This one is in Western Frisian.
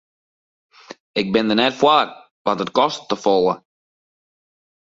Ik bin der net foar want it kostet te folle.